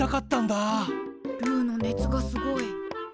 ルーの熱がすごい。